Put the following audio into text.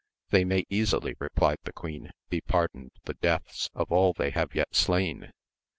They may easily, replied the queen, be pardoned the deaths of all they have yet slain